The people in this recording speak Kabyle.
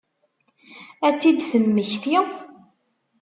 Ad tt-id-temmekti?